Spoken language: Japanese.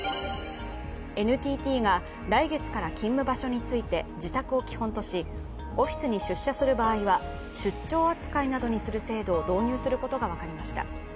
ＮＴＴが来月から勤務場所について自宅を基本としオフィスに出社する場合は出張扱いにする制度を導入することが分かりました。